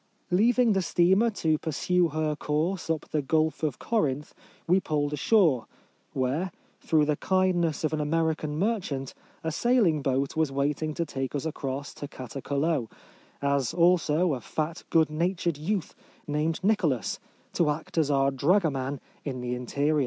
Leaving the steamer to pursue her course up the Gulf of Corinth, we pulled ashore, where, through the kindness of an American merchant, a sailing boat was waiting to take us across to Katakolo — as also a fat, good na tured youth named Nicholas, to act as our dragoman in the interior.